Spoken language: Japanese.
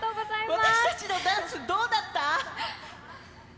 私たちのダンス、どうだった？